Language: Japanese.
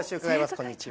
こんにちは。